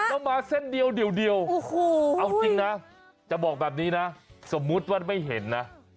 แล้วมาเส้นเดียวเอาจริงนะจะบอกแบบนี้นะสมมุติว่าไม่เห็นนะ